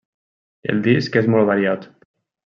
El disc és molt variat.